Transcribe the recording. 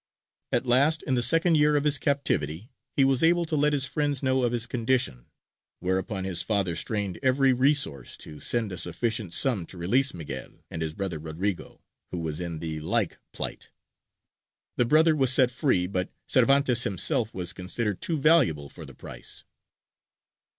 At last, in the second year of his captivity, he was able to let his friends know of his condition; whereupon his father strained every resource to send a sufficient sum to release Miguel, and his brother Rodrigo, who was in the like plight. The brother was set free, but Cervantes himself was considered too valuable for the price.